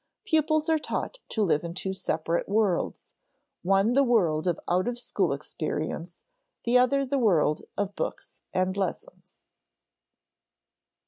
Pupils are taught to live in two separate worlds, one the world of out of school experience, the other the world of books and lessons.